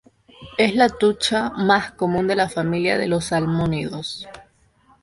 Es la trucha más común de la familia de los salmónidos.